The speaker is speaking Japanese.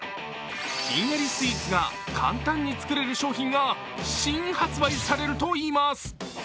ひんやりスイーツが簡単に作れる商品が新発売されるといいます。